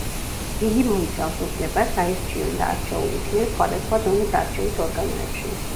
იგი მოიცავს უფლებას აირჩიონ და არჩეულ იქნენ სხვადასხვა დონის არჩევით ორგანოებში.